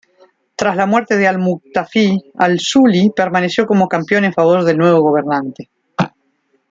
Tras la muerte de Al-Muqtafi, al-Suli permaneció como campeón en favor del nuevo gobernante.